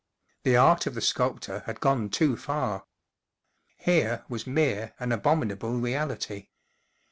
The art of the sculptor had gone too far; here was mere and abominable reality.